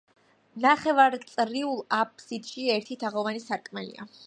ნახევარწრიულ აფსიდში ერთი თაღოვანი სარკმელია.